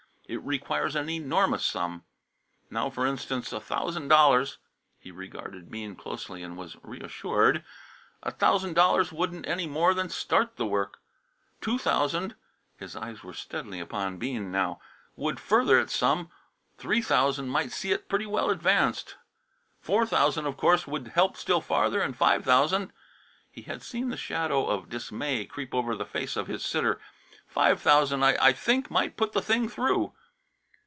It requires an enormous sum. Now, for instance, a thousand dollars" he regarded Bean closely and was reassured "a thousand dollars wouldn't any more than start the work. Two thousand" his eyes were steadily upon Bean now "would further it some. Three thousand might see it pretty well advanced. Four thousand, of course, would help still farther and five thousand" he had seen the shadow of dismay creep over the face of his sitter "five thousand, I think, might put the thing through."